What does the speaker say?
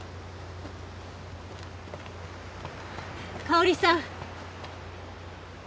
香織さん！